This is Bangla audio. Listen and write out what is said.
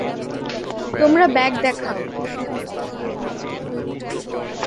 তোমার ব্যাগ দেখাও।